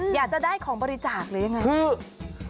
อยากจะได้ของบริจาคหรือยังไงคือ